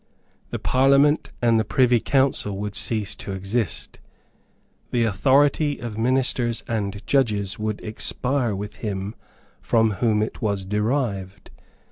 The Parliament and the Privy Council would cease to exist. The authority of ministers and judges would expire with him from whom it was derived.